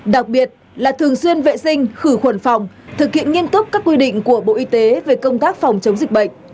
đặc biệt là thường xuyên vệ sinh khử khuẩn phòng thực hiện nghiêm túc các quy định của bộ y tế về công tác phòng chống dịch bệnh